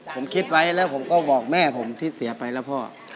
ผมคิดไว้แล้วผมก็บอกแม่ผมที่เสียไปแล้วพ่อ